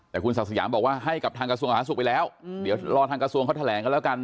แต่คุณศักดิ์สยามบอกว่าให้กับทางกระทรวงอาหารสุขไปแล้วเดี๋ยวรอทางกระทรวงเขาแถลงกันแล้วกัน